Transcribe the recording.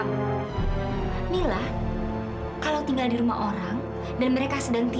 bu kalau baca jasa bejaya kenapa